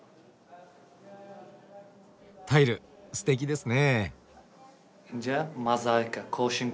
タイルすてきですね。